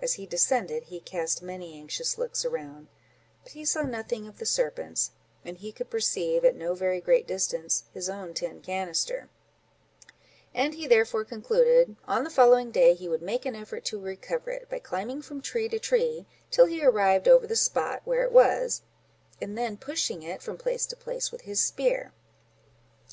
As he descended, he cast many anxious looks around, but he saw nothing of the serpents, and he could perceive, at no very great distance, his own tin canister; and he therefore concluded, on the following day he would make an effort to recover it, by climbing from tree to tree, till he arrived over the spot where it was, and then pushing it from place to place with his spear.